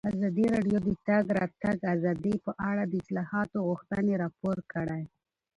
ازادي راډیو د د تګ راتګ ازادي په اړه د اصلاحاتو غوښتنې راپور کړې.